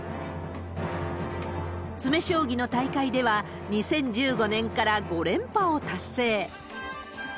詰将棋の大会では、２０１５年から５連覇を達成。